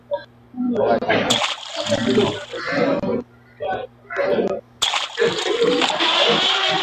Tundu la haja kubwa ya mnyama hutoa sauti kadiri hewa inavyoingia na kutoka nje